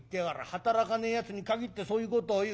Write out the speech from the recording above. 働かねえやつにかぎってそういうことを言う。